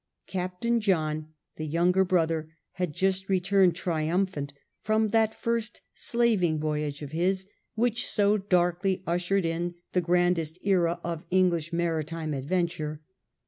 Captain John, the younger brother, had just returned triumphant from that first slaving voyage of his which so darkly ushered in the grandest era of English maritime ad venture.